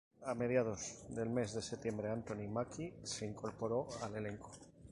A mediados del mes de septiembre Anthony Mackie se incorporó al elenco.